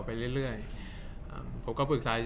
จากความไม่เข้าจันทร์ของผู้ใหญ่ของพ่อกับแม่